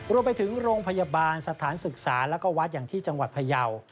รวมไปถึงโรงพยาบาลสถานศึกษาแล้วก็วัดอย่างที่จังหวัดพยาว